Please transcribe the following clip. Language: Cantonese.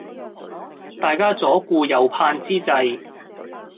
大家左顧右盼之際